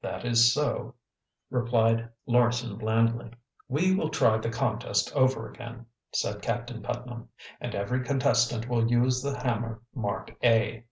"That is so," replied Larson blandly. "We will try the contest over again," said Captain Putnam. "And every contestant will use the hammer marked A."